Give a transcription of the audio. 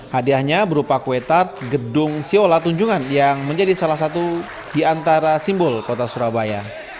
hadiahnya berupa kue tart gedung siola tunjungan yang menjadi salah satu di antara simbol kota surabaya